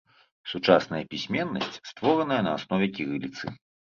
Сучасная пісьменнасць створаная на аснове кірыліцы.